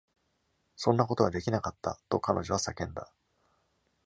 「そんなことはできなかった」と彼女は叫んだ。